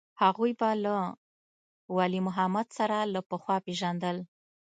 هغوى به له ولي محمد سره له پخوا پېژندل.